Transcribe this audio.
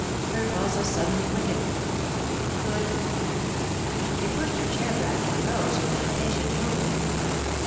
Her pulses suddenly quickened. Could——? She pushed her chair back and rose with an impatient movement.